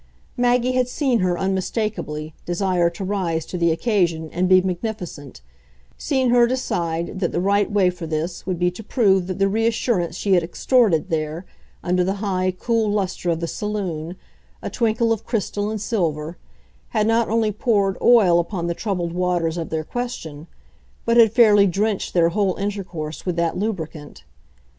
Maggie had seen her, unmistakably, desire to rise to the occasion and be magnificent seen her decide that the right way for this would be to prove that the reassurance she had extorted there, under the high, cool lustre of the saloon, a twinkle of crystal and silver, had not only poured oil upon the troubled waters of their question, but had fairly drenched their whole intercourse with that lubricant.